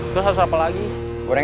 terus aku mau pergi ke rumah